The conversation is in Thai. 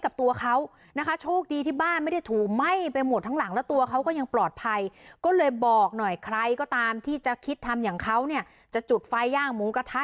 กับตัวเขานะคะโชคดีที่บ้านไม่ได้ถูไหม้ไปหมดทั้งหลังแล้วตัวเขาก็ยังปลอดภัยก็เลยบอกหน่อยใครก็ตามที่จะคิดทำอย่างเขาเนี่ยจะจุดไฟย่างหมูกระทะ